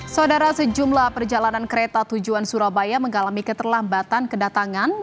saudara sejumlah perjalanan kereta tujuan surabaya mengalami keterlambatan kedatangan